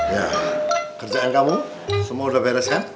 ya kerjaan kamu semua udah beres kan